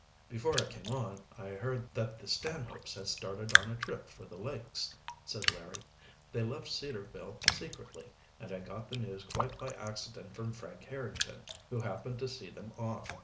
"Before I came on, I heard that the Stanhopes had started on a trip for the lakes," said Larry. "They left Cedarville secretly, and I got the news quite by accident from Frank Harrington, who happened to see them off."